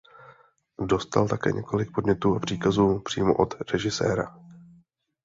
Dostal také několik podnětů a příkazů přímo od režiséra.